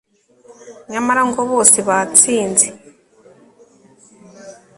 nyamara ngo bose batsinze